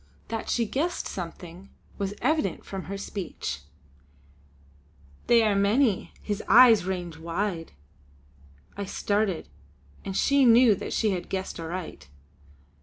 That she guessed something was evident from her speech: "They are many; his eyes range wide!" I started, and she knew that she had guessed aright.